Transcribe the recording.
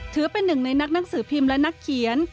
ถือเป็นหนึ่งในนักหนังสือพิมพ์และนักเขียน